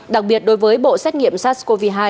đặc biệt đối với bộ xét nghiệm sars cov hai